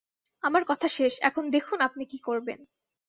আমার কথা শেষ, এখন দেখুন আপনি কি করবেন।